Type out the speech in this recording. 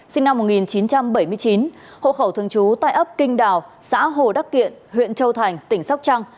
sinh năm một nghìn chín trăm bảy mươi chín hộ khẩu thường trú tại ấp kinh đào xã hồ đắc kiện huyện châu thành tỉnh sóc trăng